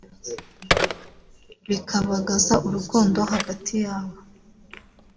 bikabagaza urukundo hagati yabo